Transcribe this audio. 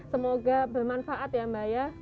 semoga bermanfaat ya mbak ya